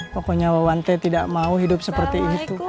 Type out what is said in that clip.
pokoknya wawan teh tidak mau hidup seperti itu pak